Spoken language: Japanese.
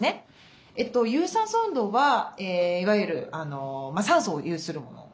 有酸素運動はいわゆる酸素を有するもの。